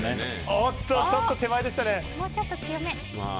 おっと、ちょっと手前でした。